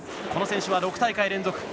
この選手は６大会連続。